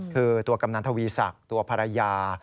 คือตัวกำนันทวีศักดิ์ตัวภรรยา